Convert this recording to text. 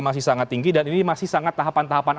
masih sangat tinggi dan ini masih sangat tahapan tahapan